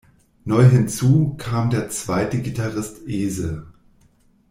Neu hinzu kam der zweite Gitarrist Ese.